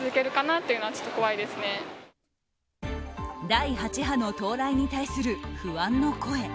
第８波の到来に対する不安の声。